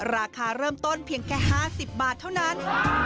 ราคาเริ่มต้นเพียงแค่๕๐บาทเท่านั้น